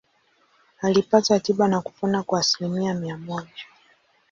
Alipata tiba na kupona kwa asilimia mia moja.